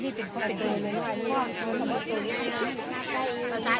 นี่ก็เป็นผู้หญิง